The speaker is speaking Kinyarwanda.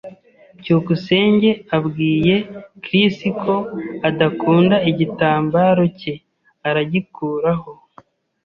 byukusenge abwiye Chris ko adakunda igitambaro cye, aragikuraho.